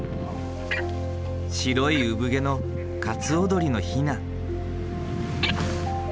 白い産毛のカツオドリのヒナ。